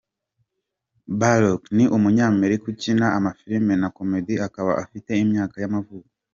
Bullock: Ni umunyamerika ukina amafilime na Comedy akaba afite imyaka y’amavuko.